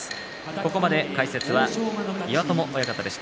ここまで解説は岩友親方でした。